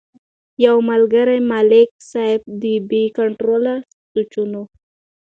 يو ملکري ملک سياف د بې کنټروله سوچونو